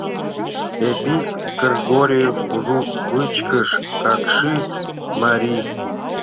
Епись Кргори — кужу, вичкыж, какши мари.